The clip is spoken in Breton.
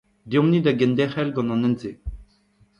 Deomp-ni da genderc'hel gant an hent-se.